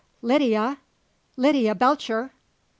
"Lydia! Lydia Belcher!"